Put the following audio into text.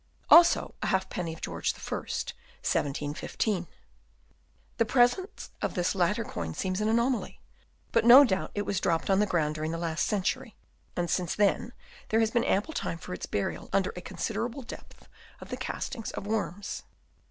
Also a half penny of George I., 1715. The presence of this latter coin seems an anomaly ; but no doubt it was dropped on the ground during the last century, and since then there has been ample time for its burial under a considerable depth of the castings of worms.